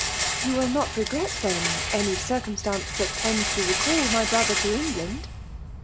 " You will not regret, then, any circumstance that tends to recall my brother to England?''